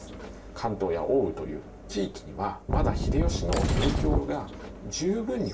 関東や奥羽という地域にはまだ秀吉の影響が十分に及んでるわけではない。